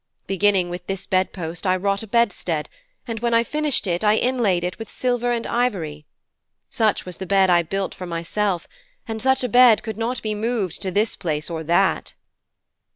Beginning with this bed post I wrought a bedstead, and when I finished it, I inlaid it with silver and ivory. Such was the bed I built for myself, and such a bed could not be moved to this place or that.'